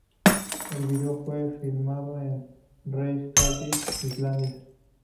El video fue filmado en Reykjavík, Islandia.